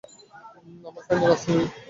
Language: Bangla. আমরা ফাইনালে আসতে পেরেছি।